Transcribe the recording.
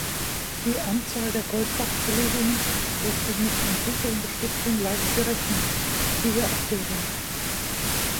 Die Anzahl der Goldbach-Zerlegungen lässt sich mit Computerunterstützung leicht berechnen, siehe Abbildung.